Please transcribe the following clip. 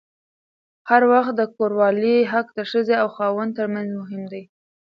هر وخت د کوروالې حق د ښځې او خاوند ترمنځ مهم دی.